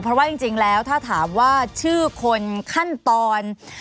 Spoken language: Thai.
เพราะว่าจริงแล้วถ้าถามว่าชื่อคนขั้นตอน